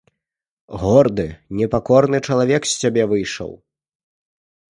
Горды, непакорны чалавек з цябе выйшаў!